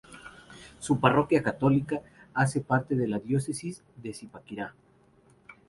Su parroquia católica hace parte de la diócesis de Zipaquirá.